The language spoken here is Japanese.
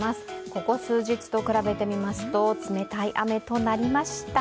ここ数日と比べてみますと冷たい雨となりました。